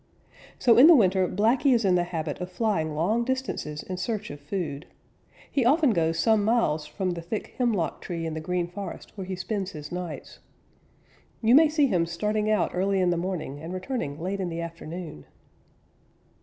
So in the winter Blacky is in the habit of flying long distances in search of food. He often goes some miles from the thick hemlock tree in the Green Forest where he spends his nights. You may see him starting out early in the morning and returning late in the afternoon.